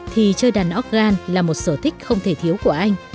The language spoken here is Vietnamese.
thì chơi đàn óc gan là một sở thích không thể thiếu quả